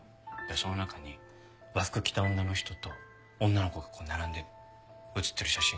その中に和服着た女の人と女の子がこう並んで写ってる写真があって。